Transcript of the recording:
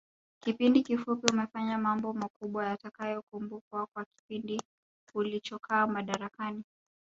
Kipindi kifupi umefanya mambo makubwa yatakayokumbukwa kwa kipindi ulichokaa madarakani